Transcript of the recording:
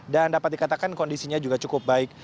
dan dapat dikatakan kondisinya juga cukup baik